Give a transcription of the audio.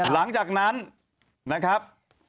หลังจากนั้นนะครับ